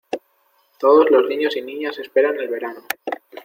Todos los niños y niñas esperan el verano.